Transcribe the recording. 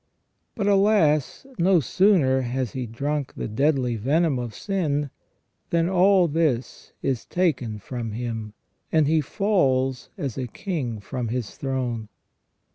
But, alas ! no sooner has he drunk the deadly venom of sin, than all this is taken from him, and he falls as a king from his throne.